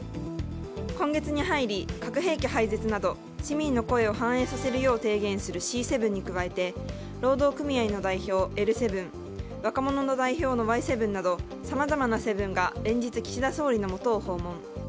今月に入り、核兵器廃絶など市民の声を反映させるよう提言するＣ７に加えて労働組合のの代表、Ｌ７若者の代表のＹ７などさまざまな「７」が連日、岸田総理のもとを訪問。